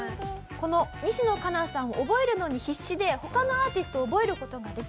この西野カナさんを覚えるのに必死で他のアーティストを覚える事ができなかった。